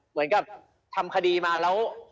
เหมือนกับทำคดีมาแล้ว